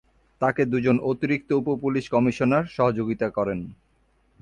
তাকে দু'জন অতিরিক্ত উপ পুলিশ কমিশনার সহযোগিতা করেন।